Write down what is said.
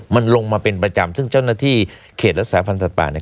มันลงมาเป็นประจำซึ่งเจ้าหน้าที่เขตรักษาพันธ์สัตว์ป่าเนี่ย